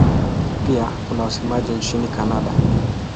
Pia kuna wasemaji nchini Kanada.